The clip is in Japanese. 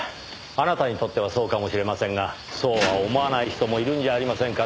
あなたにとってはそうかもしれませんがそうは思わない人もいるんじゃありませんかねぇ。